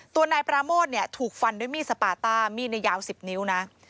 นายปราโมทเนี่ยถูกฟันด้วยมีดสปาต้ามีดในยาว๑๐นิ้วนะ